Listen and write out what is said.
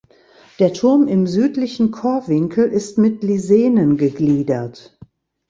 Der Turm im südlichen Chorwinkel ist mit Lisenen gegliedert.